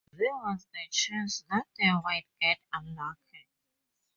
There was the chance that they might get unlucky.